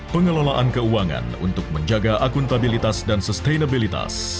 pengelolaan keuangan untuk menjaga akuntabilitas dan sustainabilitas